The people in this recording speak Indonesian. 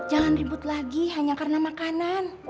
jangan ribut lagi hanya karena makanan